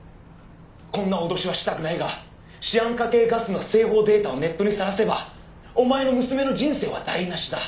「こんな脅しはしたくないがシアン化系ガスの製法データをネットにさらせばお前の娘の人生は台無しだ」